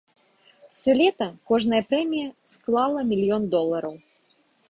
Сёлета кожная прэмія склала мільён долараў.